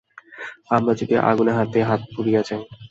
আমরা যদি আগুনে হাত দিই, হাত পুড়িয়া যায়।